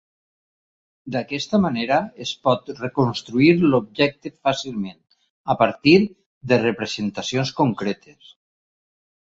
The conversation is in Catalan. D'aquesta manera es pot reconstruir l'objecte fàcilment a partir de representacions concretes.